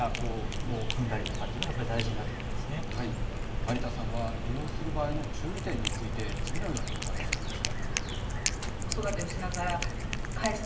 有田さんは利用する場合の注意点について次のように話していました。